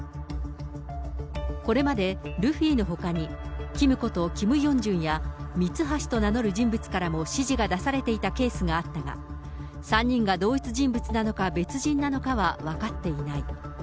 これまでルフィのほかに、ＫＩＭことキム・ヨンジュンや、ミツハシと名乗る人物から指示が出されていたケースがあったが、３人が同一人物なのか、別人なのかは分かっていない。